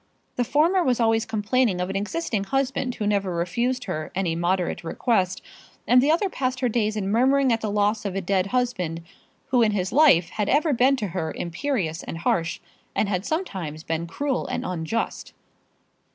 The former was always complaining of an existing husband who never refused her any moderate request; and the other passed her days in murmuring at the loss of a dead husband, who in his life had ever been to her imperious and harsh, and had sometimes been cruel and unjust.